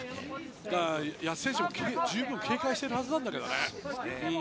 矢地選手も随分、警戒しているはずだけどね。